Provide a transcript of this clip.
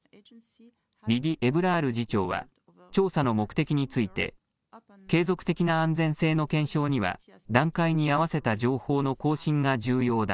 リディ・エブラール次長は、調査の目的について、継続的な安全性の検証には、段階に合わせた情報の更新が重要だ。